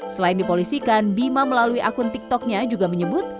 selain dipolisikan bima melalui akun tiktoknya juga menyebut